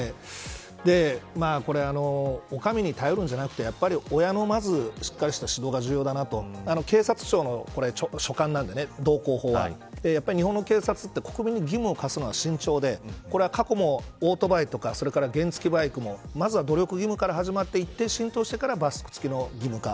これを御上に頼るんじゃなくてやっぱり親のまず、しっかりした指導が重要だなと警察署の所管なんで道交法は日本の警察って国民に義務を課すのは慎重でこれは、過去もオートバイとか原付バイクもまずは努力義務から始まって浸透してから義務化。